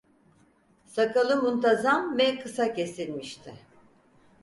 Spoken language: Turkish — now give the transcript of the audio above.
Sakalı muntazam ve kısa kesilmişti.